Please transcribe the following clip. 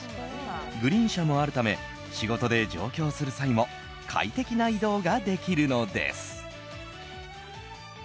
グリーン車もあるため仕事で上京する際も快適な移動ができるのです。